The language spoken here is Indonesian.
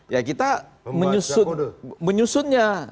ya kita menyusunnya